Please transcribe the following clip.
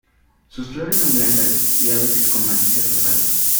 Sus flores son blancas y a veces con matices rosados.